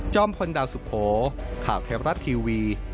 จ้อมคนดาวสุโขข่าวแท้รัฐทีวี